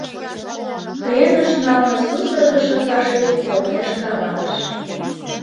Пленыш налме сусыргышо фашист корнеш каварыш.